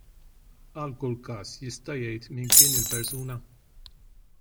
Għal kull każ jista' jgħid min kien il-persuna?